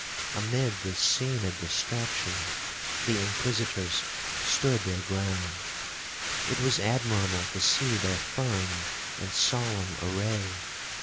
Amid this scene of distraction, the Inquisitors stood their ground. It was admirable to see their firm and solemn array.